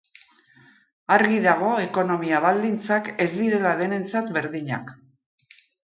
Argi dago ekonomia baldintzak ez direla denentzat berdinak.